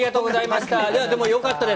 でも、よかったです。